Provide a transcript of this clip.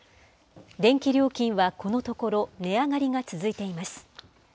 電気料金はこのところ、値上がりが続いています。